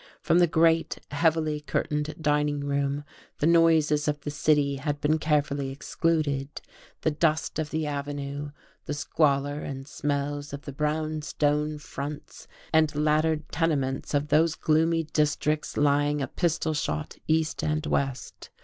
From the great, heavily curtained dining room the noises of the city had been carefully excluded; the dust of the Avenue, the squalour and smells of the brown stone fronts and laddered tenements of those gloomy districts lying a pistol shot east and west.